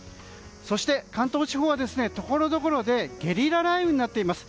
そして、関東地方はところどころでゲリラ雷雨になっています。